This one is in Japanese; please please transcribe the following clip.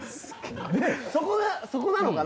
そこなのかな？